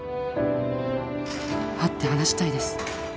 「会って話したいです」